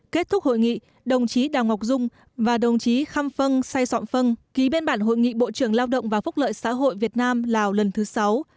kết thúc hội nghị đồng chí đào ngọc dung và đồng chí khăm phân sai sọn phân ký bên bản hội nghị bộ trưởng lao động và phúc lợi xã hội việt nam lào lần thứ sáu